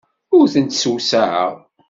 Ur tent-ssewsaɛeɣ.